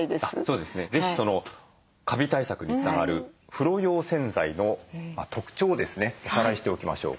そうですね是非そのカビ対策につながる風呂用洗剤の特徴をですねおさらいしておきましょう。